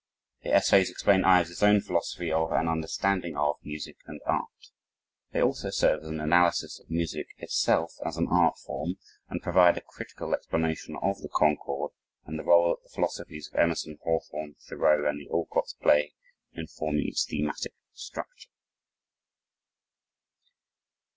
The essays explain Ives' own philosophy of and understanding of music and art. They also serve as an analysis of music itself as an artform, and provide a critical explanation of the "Concord" and the role that the philosophies of Emerson, Hawthorne, Thoreau and the Alcotts play in forming its thematic structure.